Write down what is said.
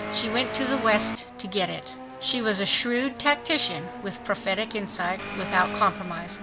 She went to the West to get it. She was a shrewd tactician; with prophetic insight, without compromise.